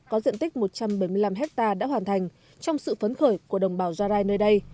có diện tích một trăm bảy mươi năm hectare đã hoàn thành trong sự phấn khởi của đồng bào gia rai nơi đây